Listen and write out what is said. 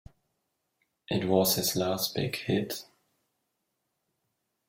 It was his last big hit.